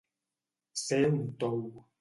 Ser un tou.